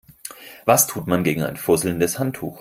Was tut man gegen ein fusselndes Handtuch?